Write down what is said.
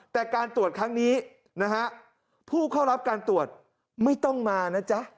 แต่การตรวจครั้งนี้นะฮะผู้เข้ารับการตรวจไม่ต้องมานะจ๊ะ